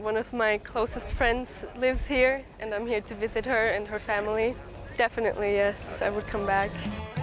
แน่นอนใช่ฉันจะมาเจอกัน